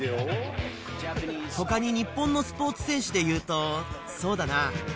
ほかに日本のスポーツ選手でいうと、そうだな。